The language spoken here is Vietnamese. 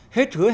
hết hứa hẹn